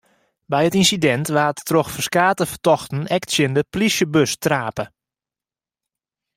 By it ynsidint waard troch ferskate fertochten ek tsjin de polysjebus trape.